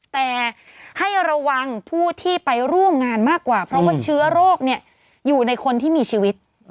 แต่ให้ระวังผู้ที่ไปร่วมงานมากกว่าเพราะว่าเชื้อโรคอยู่ในคนที่มีชีวิต